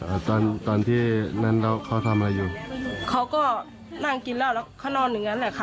อ่าตอนตอนที่นั่นแล้วเขาทำอะไรอยู่เขาก็นั่งกินเหล้าแล้วเขานอนอย่างงั้นแหละค่ะ